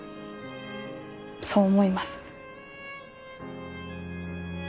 そう思います。